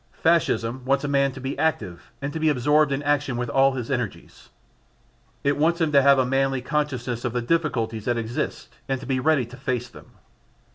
Fascism wants a man to be active and to be absorbed in action with all his energies; it wants him to have a manly consciousness of the difficulties that exist and to be ready to face them.